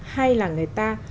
hay là người ta